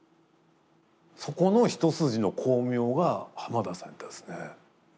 そこの一筋の光明が浜田さんやったですね。